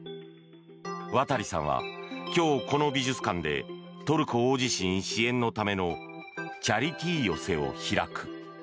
和多利さんは今日この美術館でトルコ大地震支援のためのチャリティー寄席を開く。